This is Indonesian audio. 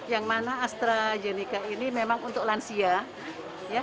yang mana astrazeneca ini memang untuk lansia